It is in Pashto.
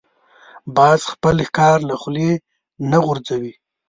باز خپل ښکار له خولې نه غورځوي